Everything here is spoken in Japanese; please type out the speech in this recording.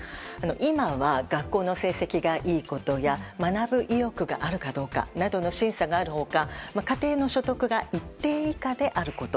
今は、学校の成績がいいことや学ぶ意欲があるかどうかなど審査がある他家庭の所得が一定以下であること。